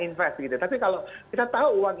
investasi gitu tapi kalau kita tahu uang